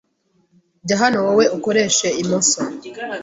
jya hano wowe ukoresha imoso